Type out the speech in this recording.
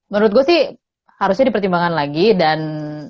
menurut gue sih harusnya dipertimbangkan lagi dan